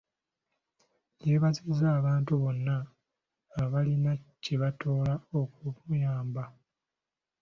Yeebazizza abantu bonna abalina kye batoola okumuyamba.